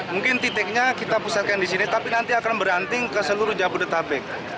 mungkin titiknya kita pusatkan di sini tapi nanti akan beranting ke seluruh jabodetabek